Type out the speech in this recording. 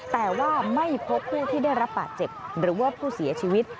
แต่ว่าไม่พบผู้ที่ได้รับบาดเจ็บหรือว่าผู้เสียชีวิต